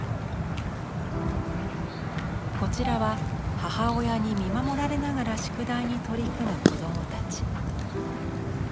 こちらは母親に見守られながら宿題に取り組む子どもたち。